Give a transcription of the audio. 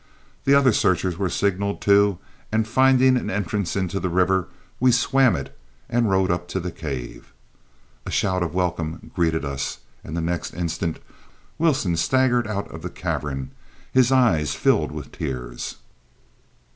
The other searchers were signaled to, and finding an entrance into the river, we swam it and rode up to the cave. A shout of welcome greeted us, and the next instant Wilson staggered out of the cavern, his eyes filled with tears.